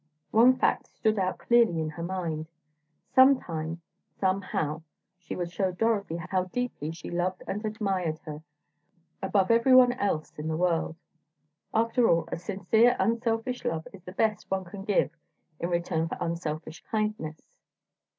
One fact stood out clearly in her mind. Sometime, somehow, she would show Dorothy how deeply she loved and admired her, above everyone else in the world. After all, a sincere, unselfish love is the best one can give in return for unselfish kindness.